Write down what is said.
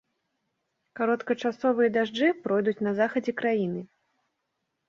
Кароткачасовыя дажджы пройдуць на захадзе краіны.